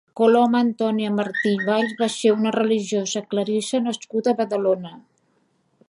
Coloma Antònia Martí i Valls va ser una religiosa clarissa nascuda a Badalona.